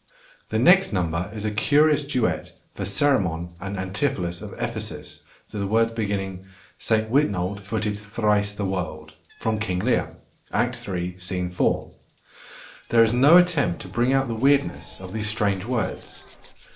The next number is a curious duet for Ceremon and Antipholus of Ephesus to the words beginning "Saint Witnold footed thrice the world," from King Lear (Act iii., Scene 4). There is no attempt to bring out the weirdness of these strange words.